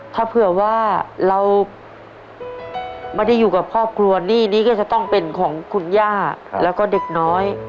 ถ้าเผื่อว่าเราไม่ได้อยู่กับครอบครัวหนี้นี้ก็จะต้องเป็นของคุณย่าแล้วก็เด็กน้อย